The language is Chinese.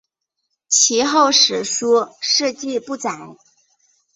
其后史书事迹不载。